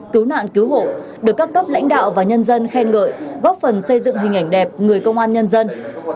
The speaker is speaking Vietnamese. cứu nạn cứu hộ được các cấp lãnh đạo và nhân dân khen ngợi góp phần xây dựng hình ảnh đẹp người công an nhân dân